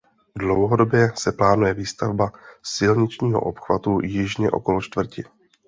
Dlouhodobě se plánuje výstavba silničního obchvatu jižně okolo čtvrti.